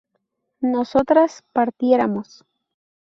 nosotras partiéramos